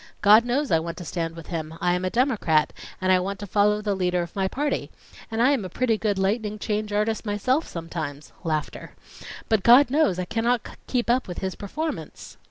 God knows I want to stand with him. I am a Democrat, and I want to follow the leader of my party, and I am a pretty good lightning change artist myself sometimes; but God knows I cannot keep up with his performance.